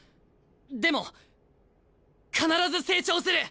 でも必ず成長する！